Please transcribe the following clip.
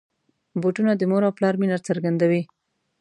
بوټونه د مور او پلار مینه څرګندوي.